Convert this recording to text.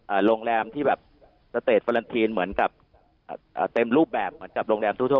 โรงแรมที่แบบสเตจฟอลันทีนเหมือนกับอ่าเต็มรูปแบบเหมือนกับโรงแรมทั่วทั่ว